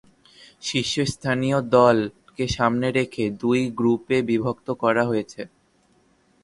শীর্ষস্থানীয় দলকে সামনে রেখে দুই গ্রুপে বিভক্ত করা হয়েছে।